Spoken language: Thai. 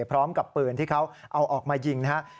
พร้อมกับปืนที่เขาเอาออกมายิงนะครับ